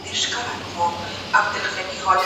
زه بايد سپينکۍ پرېولم!؟